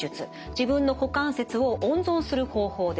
自分の股関節を温存する方法です。